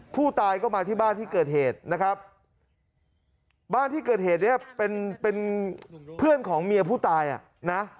ผู้ตายก็มาที่บ้านที่เกิดเหตุนะครับบ้านที่เกิดเหตุเนี่ยเป็นเป็นเพื่อนของเมียผู้ตายอ่ะนะ